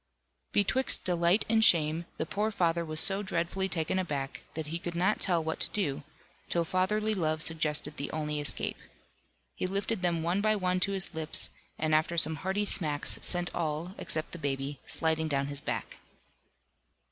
Betwixt delight and shame, the poor father was so dreadfully taken aback, that he could not tell what to do, till fatherly love suggested the only escape. He lifted them one by one to his lips, and after some hearty smacks sent all (except the baby) sliding down his back.